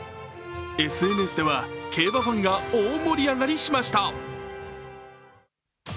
ＳＮＳでは競馬ファンが大盛り上がりしました。